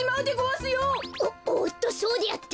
おおっとそうであった。